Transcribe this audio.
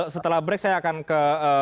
setelah break saya akan ke